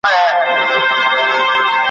چا یوه او چا بل لوري ته ځغستله `